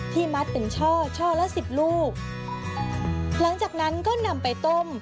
มัดเป็นช่อช่อละสิบลูกหลังจากนั้นก็นำไปต้ม